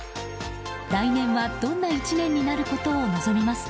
来年は、どんな１年になることを望みますか？